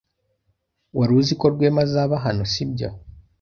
Wari uziko Rwema azaba hano, sibyo?